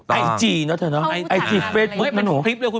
ไอจีหน้าเธอเนาะไอจีเฟสบุ๊คนะ้หนู